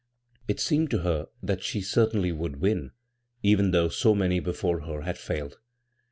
It seemed to her that she certainly would win, even though so many before her had failed.